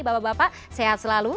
bapak bapak sehat selalu